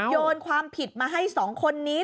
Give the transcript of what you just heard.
โยนความผิดมาให้๒คนนี้